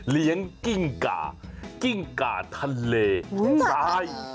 เลี้ยงกิ้งกะกิ้งกะทะเลสาย